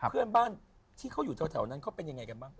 เพื่อนบ้านที่เขาอยู่แถวนั้นเขาเป็นยังไงกันบ้าง